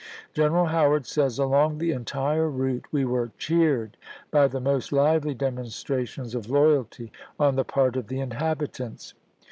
G eneral Howard says, "Along the entire route ... we were cheered by the most lively demonstrations of loyalty on the part of the inhabitants.